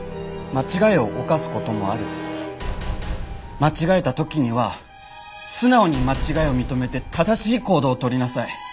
間違えた時には素直に間違いを認めて正しい行動をとりなさい。